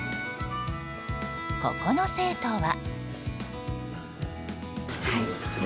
ここの生徒は。